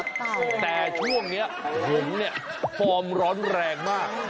แต่ช่วงนี้หงฟอร์มร้อนแรงมาก